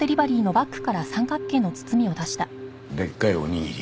でっかいおにぎり？